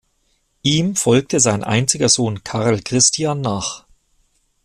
Ihm folgte sein einziger Sohn Karl Christian nach.